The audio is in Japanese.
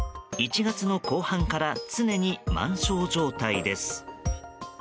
１月の後半から常に満床状態です。